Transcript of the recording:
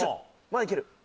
まだいける。